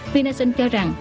vinasun cho rằng